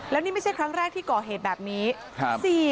แล้วนี่ไม่ใช่ครั้งแรกที่ก่อเหตุแบบนี้